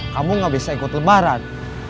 kamu gak bisa ikut lebaran